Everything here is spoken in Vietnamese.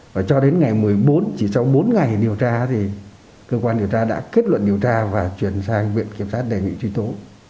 và cho đến ngày một mươi bốn chỉ sau bốn ngày điều tra thì cơ quan điều tra đã kết luận điều tra và chuyển sang viện kiểm sát đề nghị truy tố